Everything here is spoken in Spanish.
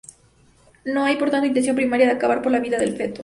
No hay, por tanto, intención primaria de acabar con la vida del feto.